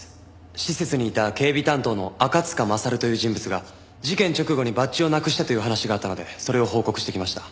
施設にいた警備担当の赤塚勝という人物が事件直後にバッジをなくしたという話があったのでそれを報告してきました。